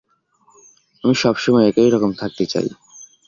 আমি সব সময় একই রকম থাকতে চাই।